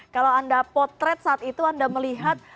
kalau anda potret saat itu anda melihat